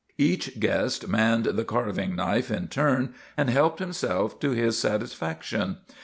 Each guest manned the carving knife in turn and helped himself to his satisfaction.